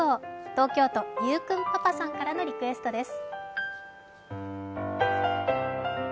東京都、ゆうくんパパさんからのリクエストです。